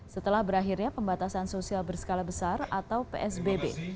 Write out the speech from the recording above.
setelah berakhirnya pembatasan sosial berskala besar atau psbb